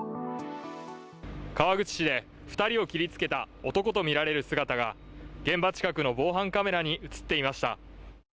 川口市で２人を切りつけた男とみられる姿が現場近くの防犯カメラに映っていました。